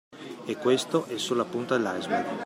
E questa è solo la punta dell’iceberg.